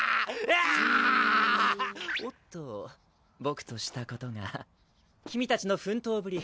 ジィーおっとボクとしたことが君たちの奮闘ぶり